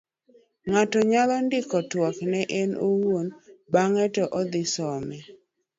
ng'ato nyalo ndiko twak ne en owuon bang'e to odhi some